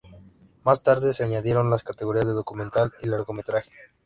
Más tarde se añadieron las categorías de documental y largometraje.